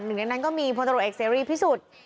หนึ่งในนั้นก็มีพลตรวจเอกเสรีพิสุทธิ์